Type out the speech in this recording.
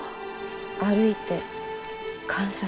歩いて観察して。